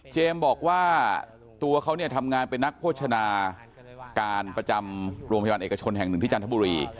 บอกว่าตัวเขาเนี่ยทำงานเป็นนักโภชนาการประจำโรงพยาบาลเอกชนแห่งหนึ่งที่จันทบุรี